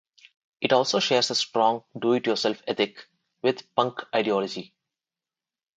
It also shares a strong do-it-yourself ethic with punk ideology.